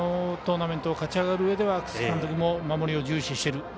トーナメントを勝ち上がるうえでも楠城監督は守りを重視している。